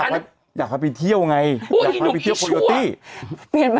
อันนั้นไปเองอันนั้น